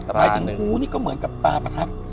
หมายถึงฟู้อีนี่ก็เหมือนกับตราปทัพ